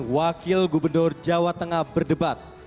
di mana para calon wakil gubernur jawa tengah berdebat